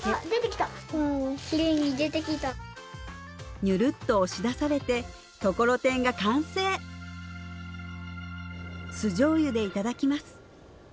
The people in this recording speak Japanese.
きれいに出てきたにゅるっと押し出されてところてんが完成酢じょうゆでいただきます